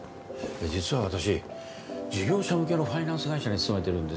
実は私事業者向けのファイナンス会社に勤めてるんですよ